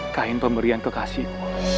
kain pemberian kekasihku